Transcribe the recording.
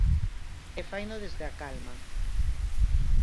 E faino desde a calma.